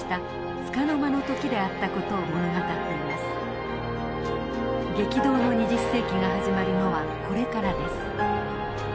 激動の２０世紀が始まるのはこれからです。